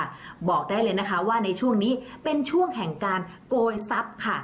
บอกได้เลยนะคะว่าในช่วงนี้เป็นช่วงแห่งการโกยทรัพย์ค่ะ